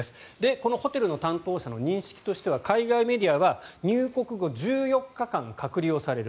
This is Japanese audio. このホテルの担当者の認識としては海外メディアは入国後１４日間隔離をされる。